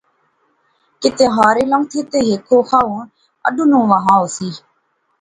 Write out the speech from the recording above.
کی تہارے لنگتھے تہ ہیک کھوخا ہور اڈنوں وہا ہوسی